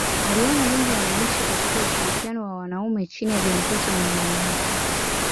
Aliona lengo ya maisha katika ushirikiano wa wanaume chini ya viongozi wenye mamlaka.